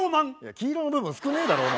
黄色の部分少くねえだろお前